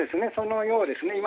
そのようです。